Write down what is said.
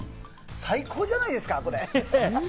最高じゃないですか？